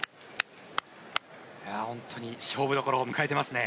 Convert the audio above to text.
本当に勝負どころを迎えていますね。